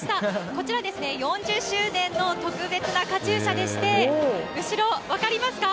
こちらですね、４０周年の特別なカチューシャでして、後ろ、分かりますか？